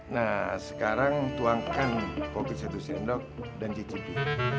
nah sekarang tuangkan kopi satu sendok dan cicipi